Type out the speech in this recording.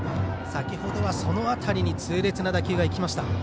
先ほどはその辺りに痛烈な打球が行きました。